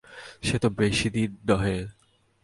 সে তো বেশিদিন নহে।